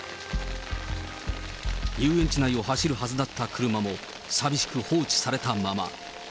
遊園地内を走るはずだった車も、寂しく放置されたまま。